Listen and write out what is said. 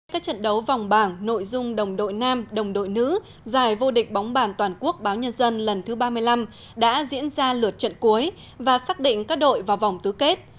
các trận đấu vòng bảng nội dung đồng đội nam đồng đội nữ giải vô địch bóng bàn toàn quốc báo nhân dân lần thứ ba mươi năm đã diễn ra lượt trận cuối và xác định các đội vào vòng tứ kết